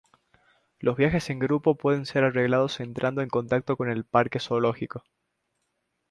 Los viajes en grupo pueden ser arreglados entrando en contacto con el parque zoológico.